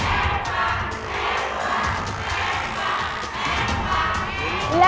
เทพภาคเทพภาค